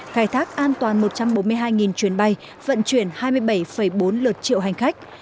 khai thác an toàn một trăm bốn mươi hai chuyến bay vận chuyển hai mươi bảy bốn lượt triệu hành khách